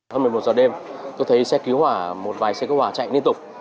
hơn một mươi một giờ đêm tôi thấy xe cứu hỏa một vài xe cứu hỏa chạy liên tục